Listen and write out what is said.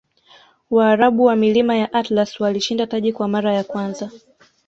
waarabu wa milima ya atlas walishinda taji kwa mara ya kwanza